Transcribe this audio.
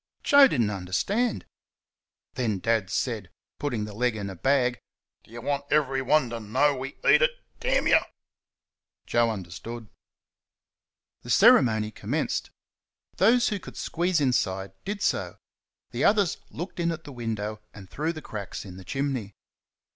Joe did n't understand. Then Dad said (putting the leg in a bag): "Do you want everyone to know we eat it, you?" Joe understood. The ceremony commenced. Those who could squeeze inside did so the others looked in at the window and through the cracks in the chimney.